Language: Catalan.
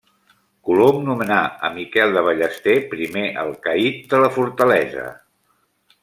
Colom nomenar a Miquel de Ballester primer alcaid de la fortalesa.